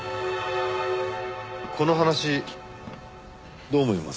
この話どう思います？